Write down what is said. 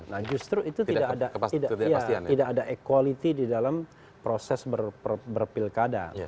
nah justru itu tidak ada equality di dalam proses berpilkada